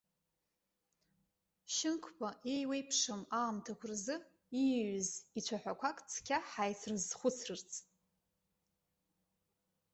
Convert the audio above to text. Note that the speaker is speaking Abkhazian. Шьынқәба еиуеиԥшым аамҭақәа рзы ииҩыз ицәаҳәақәак цқьа ҳаицрызхәыцырц.